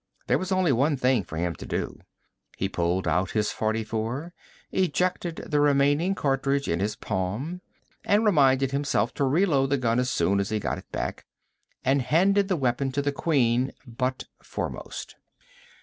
There was only one thing for him to do. He pulled out his .44, ejected the remaining cartridge in his palm and reminded himself to reload the gun as soon as he got it back and handed the weapon to the Queen, butt foremost.